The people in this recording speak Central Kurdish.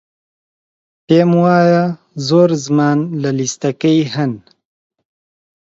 پێم وایە زۆر زمان لە لیستەکەی هەن.